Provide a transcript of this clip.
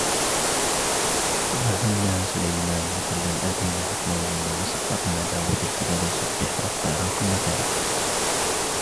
فَفَهَّمْنَاهَا سُلَيْمَانَ وَكُلًّا آتَيْنَا حُكْمًا وَعِلْمًا وَسَخَّرْنَا مَعَ دَاوُودَ الْجِبَالَ يُسَبِّحْنَ وَالطَّيْرَ وَكُنَّا فَاعِلِينَ